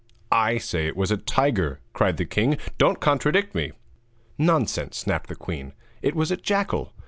'I say it was a tiger,' cried the king; 'don't contradict me.' 'Nonsense!' snapped the queen. 'It was a jackal.'